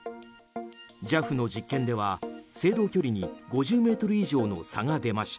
ＪＡＦの実験では、制動距離に５０ｍ以上の差が出ました。